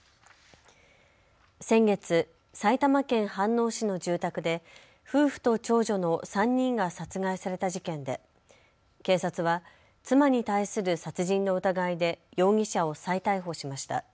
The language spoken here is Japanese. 先月、埼玉県飯能市の住宅で夫婦と長女の３人が殺害された事件で警察は妻に対する殺人の疑いで容疑者を再逮捕しました。